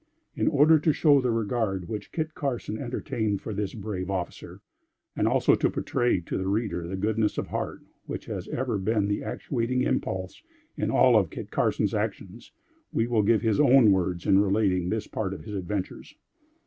In order to show the regard which Kit Carson entertained for this brave officer, and also to portray to the reader the goodness of heart which has ever been the actuating impulse in all of Kit Carson's actions, we will give his own words in relating this part of his adventures.